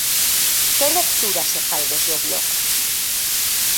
Que lectura se fai desde o Bloque?